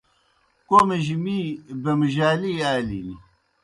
کوْمِجیْ می بِمجَالِی آلِن۔